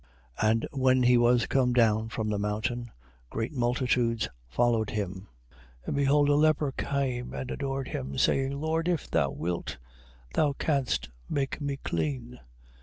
8:1. And when he was come down from the mountain, great multitudes followed him: 8:2. And behold a leper came and adored him, saying: Lord, if thou wilt, thou canst make me clean.